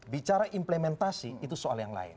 bicara implementasi itu soal yang lain